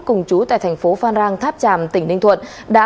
cùng chú tại thành phố phan rang tháp tràm tỉnh ninh thuận